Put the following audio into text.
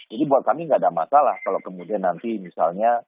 jadi buat kami nggak ada masalah kalau kemudian nanti misalnya